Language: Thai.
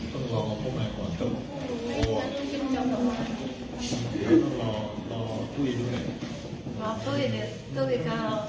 ต้องกล่องของพวกแม่ก่อนเติบ